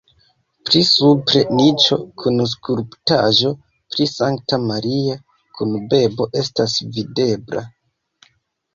Pli supre niĉo kun skulptaĵo pri Sankta Maria kun bebo estas videbla.